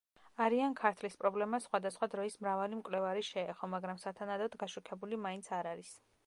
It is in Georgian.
არიან-ქართლის პრობლემას სხვადასხვა დროის მრავალი მკვლევარი შეეხო, მაგრამ სათანადოდ გაშუქებული მაინც არ არის.